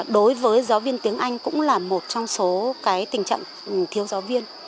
đối với giáo viên tiếng anh cũng là một trong số tình trạng thiếu giáo viên